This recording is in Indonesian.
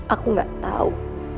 aku gak tau